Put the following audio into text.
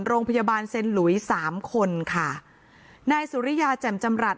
โรงพยาบาลเซ็นหลุยสามคนค่ะนายสุริยาแจ่มจำรัฐ